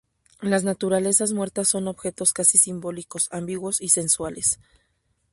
Las naturalezas muertas son objetos casi simbólicos, ambiguos y sensuales.